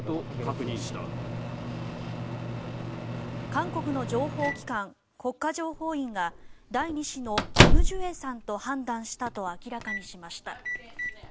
韓国の情報機関国家情報院が第２子のキム・ジュエさんと判断したと明らかにしました。